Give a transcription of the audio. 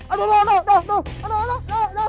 aduh aduh aduh